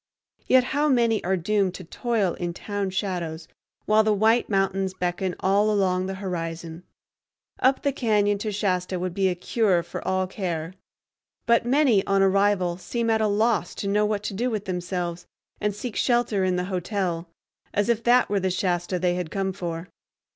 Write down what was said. Yet how many are doomed to toil in town shadows while the white mountains beckon all along the horizon! Up the cañon to Shasta would be a cure for all care. But many on arrival seem at a loss to know what to do with themselves, and seek shelter in the hotel, as if that were the Shasta they had come for.